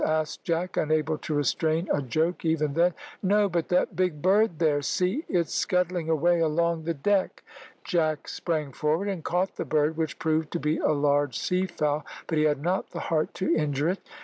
asked Jack, unable to restrain a joke even then. "No, but that big bird there; see it's scuttling away along the deck." Jack sprang forward and caught the bird, which proved to be a large sea fowl, but he had not the heart to injure it.